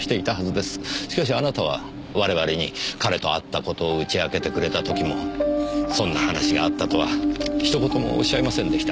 しかしあなたは我々に彼と会った事を打ち明けてくれた時もそんな話があったとは一言もおっしゃいませんでした。